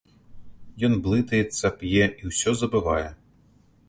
Ён блытаецца, п'е і ўсё забывае.